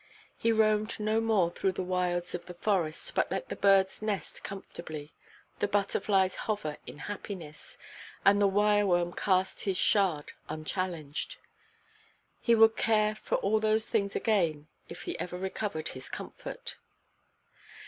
He roamed no more through the wilds of the forest, but let the birds nest comfortably, the butterflies hover in happiness, and the wireworm cast his shard unchallenged. He would care for all those things again, if he ever recovered his comfort.